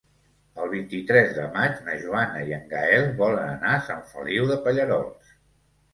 El vint-i-tres de maig na Joana i en Gaël volen anar a Sant Feliu de Pallerols.